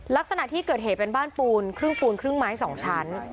ลักษณะที่เกิดเหตุเป็นบ้านปูนครึ่งปูนครึ่งไม้๒ชั้น